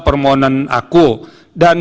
permohonan aku dan